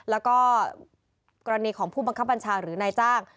แล้วก็กรณีของผู้บังคับบัญชาหรือนายจ้าง